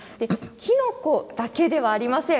きのこだけではありません。